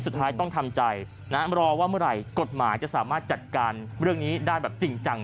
สุดท้ายต้องทำใจนะรอว่าเมื่อไหร่กฎหมายจะสามารถจัดการเรื่องนี้ได้แบบจริงจัง